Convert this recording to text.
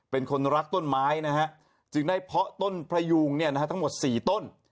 เป็นคนรักต้นไม้นะฮะจึงได้เพาะต้นพยุงเนี่ยนะฮะทั้งหมด๔ต้น